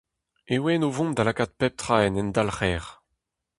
E oan o vont da lakaat pep tra en endalc'her.